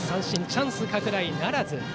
チャンス拡大ならず。